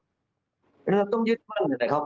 ต้องยึดมั่นนะครับ